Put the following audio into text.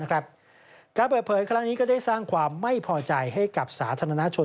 การเปิดเผยครั้งนี้ก็ได้สร้างความไม่พอใจให้กับสาธารณชน